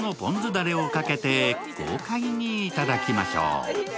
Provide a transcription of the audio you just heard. だれをかけて豪快にいただきましょう。